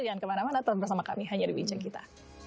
jangan kemana mana tetap bersama kami hanya dibincang kita